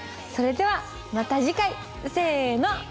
それではまた次回せの！